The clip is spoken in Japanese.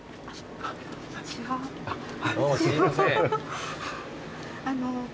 どうもすみません。